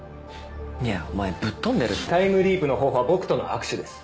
いやお前ぶっ飛んでるって。タイムリープの方法は僕との握手です。